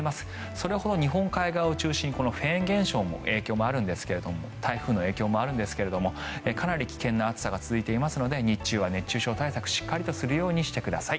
それほど日本海側を中心にフェーン現象の影響もあるんですが台風の影響もあるんですがかなり危険な暑さが続いていますので日中は熱中症対策をしっかりとするようにしてください。